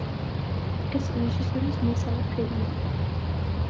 ეს რეჟისორის მესამე ფილმი იყო.